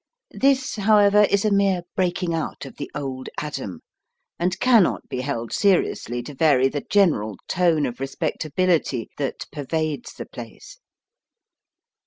This, however, is a mere break ing out of the old Adam, and cannot be held seriously to vary the general tone of respecta bility that pervades the place.